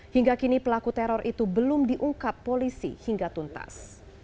hingga kini pelaku teror itu belum diungkap polisi hingga tuntas